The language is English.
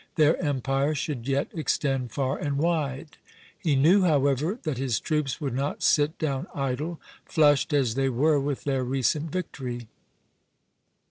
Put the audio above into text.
Their empire should yet extend far and wide. He knew, however, that his troops would not sit down idle, flushed as they were with their recent victory.